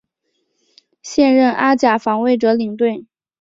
现任阿甲防卫者领队。